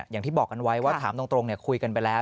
อย่างที่บอกกันไว้ว่าถามตรงคุยกันไปแล้ว